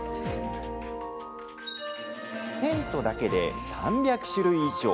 テントだけで３００種類以上。